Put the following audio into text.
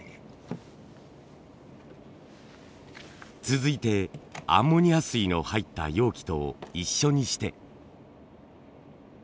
続いてアンモニア水の入った容器と一緒にして。